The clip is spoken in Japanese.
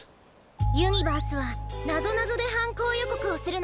ユニバースはなぞなぞではんこうよこくをするの。